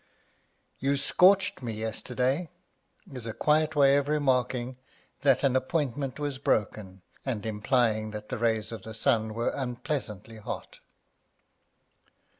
You scorched me yesterday is a quiet way of remarking that an appointment was broken, and implying that the rays of the sun were unpleasantly hot.